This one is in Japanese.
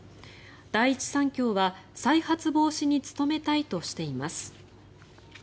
第一三共は再発防止に努めたいとしています。